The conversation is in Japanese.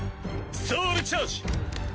ソウルチャージ！